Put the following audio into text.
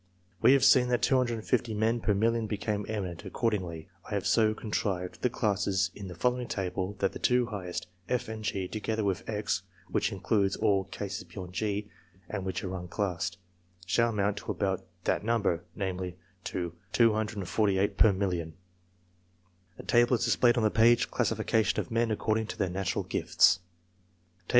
We have seen that 250 men per million become eminent ; accordingly, I have so contrived the classes in the following table that the two highest, F and G, together with X (which includes all cases beyond G, and which are unclassed), shall amount to about that number namely to 248 per million : 30 CLASSIFICATION OF MEN CLASSIFICATION OF MEN ACCORDING TO THEIR NATURAL GIFTS.